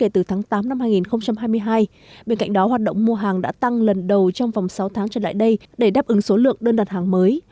từ tháng tám năm hai nghìn hai mươi hai bên cạnh đó hoạt động mua hàng đã tăng lần đầu trong vòng sáu tháng trở lại đây để đáp ứng số lượng đơn đặt hàng mới